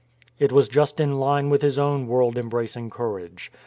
It was just in line with his own world embracing courage.